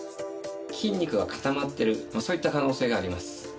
筋肉が固まってるそういった可能性があります。